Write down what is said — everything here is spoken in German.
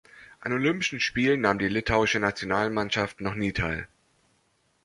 An Olympischen Spielen nahm die Litauische Nationalmannschaft noch nie teil.